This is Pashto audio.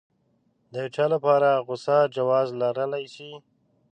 د يو چا لپاره غوسه جواز لرلی شي.